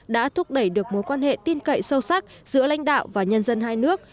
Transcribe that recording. đã thúc đẩy được mối quan hệ tin cậy sâu sắc giữa lãnh đạo và nhân dân hai nước